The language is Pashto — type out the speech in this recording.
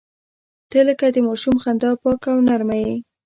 • ته لکه د ماشوم خندا پاکه او نرمه یې.